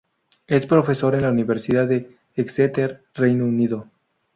Es profesor en la Universidad de Exeter, Reino Unido.